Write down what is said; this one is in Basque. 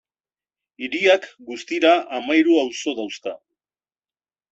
Hiriak guztira hamahiru auzo dauzka.